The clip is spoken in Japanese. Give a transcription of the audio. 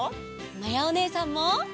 まやおねえさんも。